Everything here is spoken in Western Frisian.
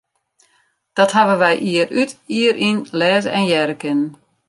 Dat hawwe wy jier út, jier yn lêze en hearre kinnen.